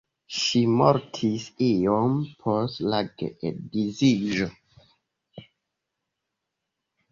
Ŝi mortis iom post la geedziĝo.